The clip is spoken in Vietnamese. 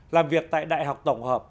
làm việc tại đại học tổng hợp